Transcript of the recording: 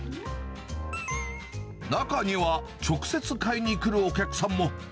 中には、直接買いにくるお客さんも。